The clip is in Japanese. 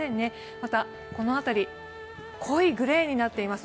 またこの辺り、濃いグレーになっています。